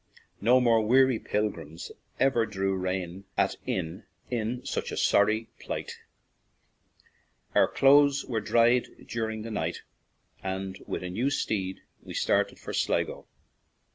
No more weary pilgrims 61 ON AN IRISH JAUNTING CAR ever drew rein at inn in such a sorry plight. Our clothes were dried during the night, and with a new steed we started for Sligo.